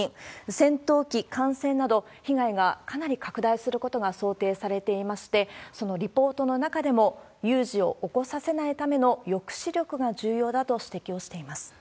戦闘機、艦船など、被害がかなり拡大することが想定されていまして、そのリポートの中でも、有事を起こさせないための抑止力が重要だと指摘をしています。